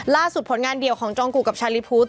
ล่าสุดผลงานเดี่ยวของจองกุกับชาลีพูท